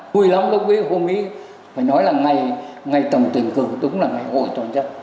vui lắm lúc với hồ mỹ phải nói là ngày tổng tuyển cử đúng là ngày hội tổ chức